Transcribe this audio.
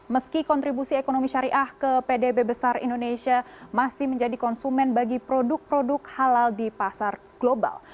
meski kontribusi ekonomi syariah ke pdb besar indonesia masih menjadi konsumen bagi produk produk halal di pasar global